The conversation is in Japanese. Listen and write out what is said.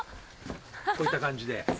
こういった感じで。